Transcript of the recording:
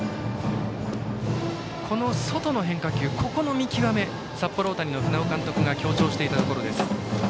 外の変化球、ここの見極めを札幌大谷の船尾監督が強調していたところです。